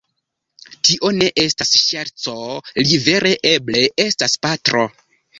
Tio ne estas ŝerco, li vere eble estas patro